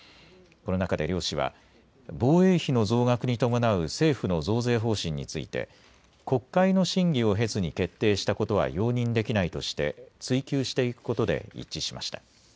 この中で両氏は防衛費の増額に伴う政府の増税方針について国会の審議を経ずに決定したことは容認できないとして追及していくことで一致しました。